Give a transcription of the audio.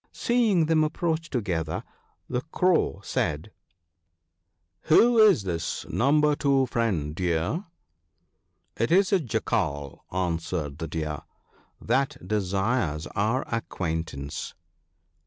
Seeing them approach together, the Crow said, THE WINNING OF FRIENDS. 31 " Who is this number two, friend Deer ?"" It is a Jackal," answered the Deer, "that desires our acquaintance."